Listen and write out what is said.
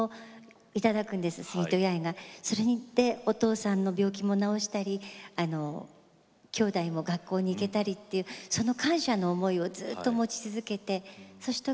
八重がそれによってお父さんの病気も治したりきょうだいも学校に行けたりっていうその感謝の思いをずっと持ち続けてそして